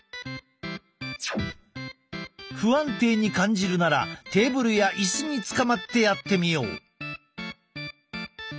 不安定に感じるならテーブルやイスにつかまってやってみよう！